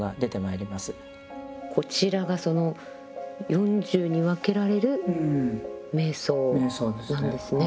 こちらがその４０に分けられる瞑想なんですね。